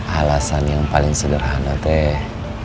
alasan yang paling sederhana teh